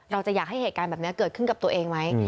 อยากให้เหตุการณ์แบบนี้เกิดขึ้นกับตัวเองไหม